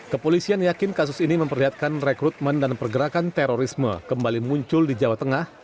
kepolisian yakin kasus ini memperlihatkan rekrutmen dan pergerakan terorisme kembali muncul di jawa tengah